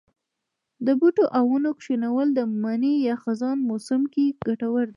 د بوټو او ونو کښېنول د مني یا خزان موسم کې کټور دي.